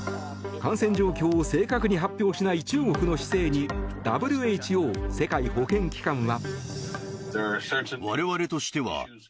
感染状況を正確に発表しない中国の姿勢にＷＨＯ・世界保健機関は。